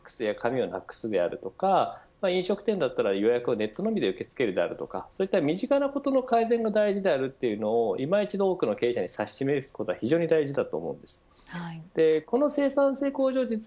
例えばＦＡＸや紙をなくすであるとか飲食店であれば予約をネットのみで受け付けるであるとかそういったこと身近なことの改善が大事であることを今一度、多くの経営者に進めることが大事だと思います。